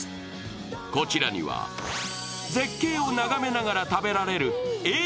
こちらには絶景を眺めながら食べられるええ